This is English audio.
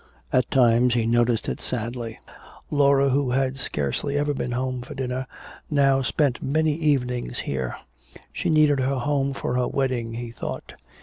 At times he noticed it sadly. Laura, who had scarcely ever been home for dinner, now spent many evenings here. She needed her home for her wedding, he thought.